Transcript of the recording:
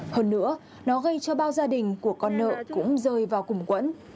hơn nữa nó gây cho bao gia đình của con nợ cũng rơi vào củng quẫn